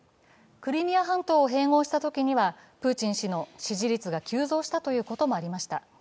クリミア半島を併合したときにはプーチン氏の支持率が急増したということもありました。